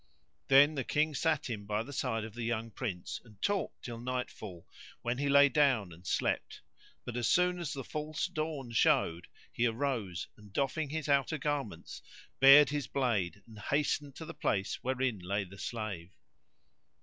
Then the King sat him by the side of the young Prince and talked till nightfall, when he lay down and slept; but, as soon as the false dawn[FN#133] showed, he arose and doffing his outer garments[FN#134] bared his blade and hastened to the place wherein lay the slave.